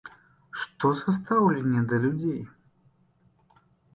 Што за стаўленне да людзей?